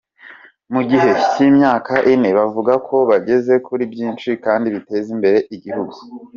Mu gihe cy’imyaka ine bavuga ko bageze kuri byinshi kandi biteza imbere igihugu.